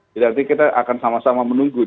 nanti kita akan sama sama menunggu